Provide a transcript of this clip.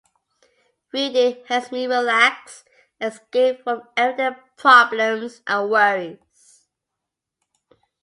Reading helps me relax and escape from everyday problems and worries.